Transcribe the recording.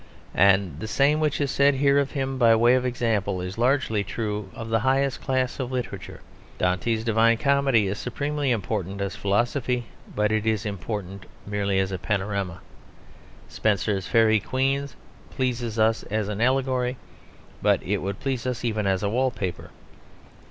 And the same which is said here of him by way of example is largely true of the highest class of literature. Dante's Divine Comedy is supremely important as a philosophy; but it is important merely as a panorama. Spenser's Faery Queen pleases us as an allegory; but it would please us even as a wall paper.